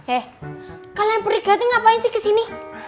eh kalian beriga tuh ngapain sih kesini